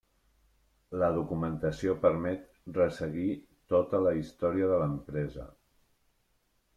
La documentació permet resseguir tota la història de l'empresa.